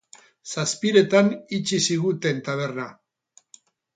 Zazpiretan itxi ziguten taberna.